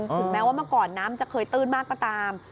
ถึงแม้ว่าเมื่อก่อนน้ำจะเคยตื้นมากก็ตาม